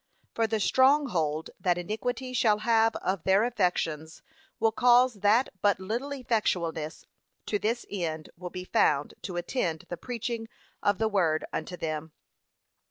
For the strong hold that iniquity shall have of their affections will cause that but little effectualness to this end will be found to attend the preaching of the Word unto them.